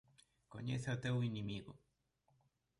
Coñece ao teu inimigo.